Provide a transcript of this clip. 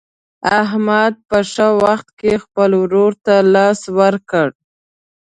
احمد په ښه وخت کې خپل ورور ته لاس ورکړ.